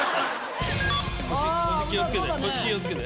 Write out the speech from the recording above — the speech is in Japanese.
腰気をつけて。